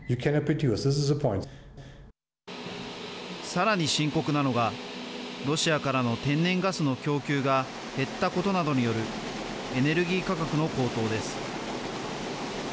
さらに深刻なのがロシアからの天然ガスの供給が減ったことなどによるエネルギー価格の高騰です。